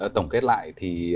tổng kết lại thì